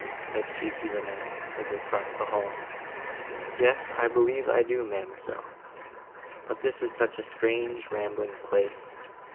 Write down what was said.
said she to Annette, as they crossed the hall. "Yes, I believe I do, ma'amselle; but this is such a strange rambling place!